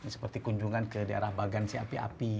seperti kunjungan ke daerah bagan siapi api